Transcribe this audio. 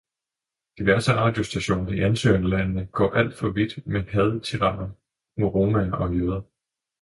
Diverse radiostationer i ansøgerlandene går alt for vidt med hadetirader mod romaer og jøder.